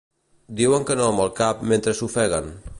Diuen que no amb el cap mentre s'ofeguen.